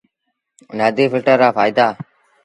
نآديٚ ڦلٽر رآ ڦآئيدآ۔